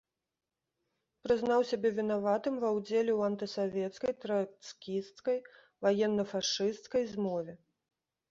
Прызнаў сябе вінаватым ва ўдзеле ў антысавецкай, трацкісцкай, ваенна-фашысцкай змове.